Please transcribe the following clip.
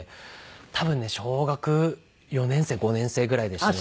多分ね小学４年生５年生ぐらいでしたね。